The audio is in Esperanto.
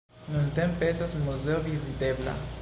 Nuntempe estas muzeo vizitebla.